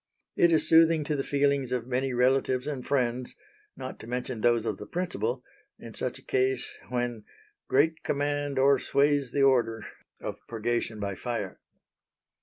It is soothing to the feelings of many relatives and friends not to mention those of the principal in such a case when "great command o'ersways the order" of purgation by fire.